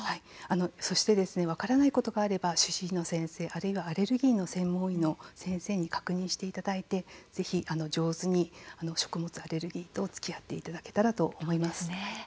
そして分からないことがあれば主治医の先生あるいはアレルギーの専門医の先生に確認していただいてぜひ上手に食物アレルギーとつきあっていただけたらと思います。